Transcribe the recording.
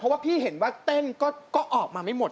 เพราะว่าพี่เห็นว่าเต้นก็ออกมาไม่หมด